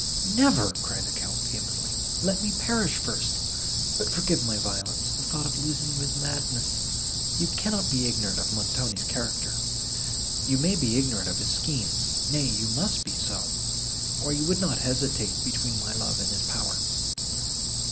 "Never!" cried the Count vehemently: "let me perish first! But forgive my violence! the thought of losing you is madness. You cannot be ignorant of Montoni's character, you may be ignorant of his schemes—nay, you must be so, or you would not hesitate between my love and his power."